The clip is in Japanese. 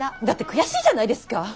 だって悔しいじゃないですか！